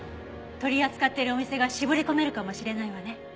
取り扱っているお店が絞り込めるかもしれないわね。